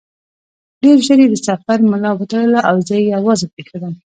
ډېر ژر یې د سفر ملا وتړله او زه یې یوازې پرېښودم.